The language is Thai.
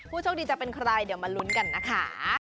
โชคดีจะเป็นใครเดี๋ยวมาลุ้นกันนะคะ